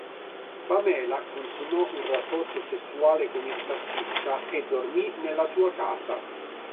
Pamela consumò un rapporto sessuale con il tassista e dormì nella sua casa.